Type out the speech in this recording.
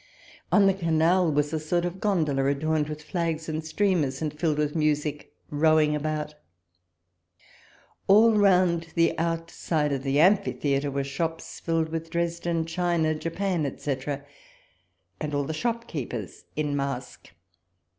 On the canal was a sort of gondola, adorned with flags and streamers, and filled with music, rowing about. All rouncl the outside of the amphitheatre were shops, filled with Dresden china, japan, etc., and all the shopkeepers in mask.